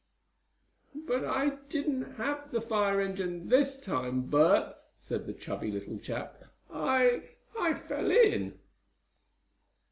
"But I didn't have the fire engine this time, Bert," said the chubby little chap. "I I fell in!"